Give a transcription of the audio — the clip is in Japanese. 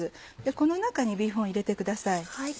この中にビーフンを入れてください。